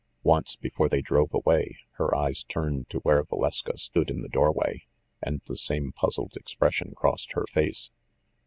Once, before they drove away, her eyes turned to where Valeska stood in the doorway, and the same puzzled expression crossed her face.